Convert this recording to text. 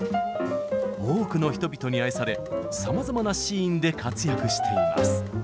多くの人々に愛されさまざまなシーンで活躍しています。